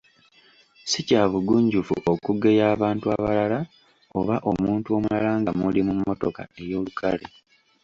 Si kya bugunjufu okugeya abantu abalala oba omuntu omulala nga muli mu mmotoka ey’olukale.